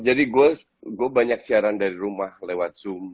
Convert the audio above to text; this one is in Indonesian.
jadi gue banyak siaran dari rumah lewat zoom